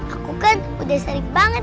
aku kan udah sering banget